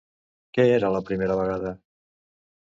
Què era la primera vegada?